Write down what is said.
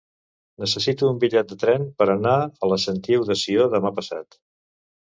Necessito un bitllet de tren per anar a la Sentiu de Sió demà passat.